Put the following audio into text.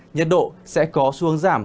nhật độ sẽ có xu hướng giảm